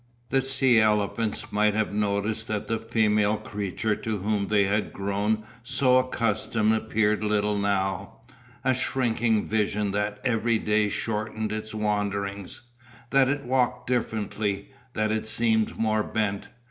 The sea elephants might have noticed that the female creature to whom they had grown so accustomed appeared little now, a shrinking vision that every day shortened its wanderings; that it walked differently, that it seemed more bent.